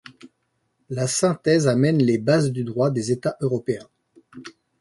La synthèse amène les bases du droit des États européens.